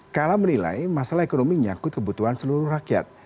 kala menilai masalah ekonomi nyangkut kebutuhan seluruh rakyat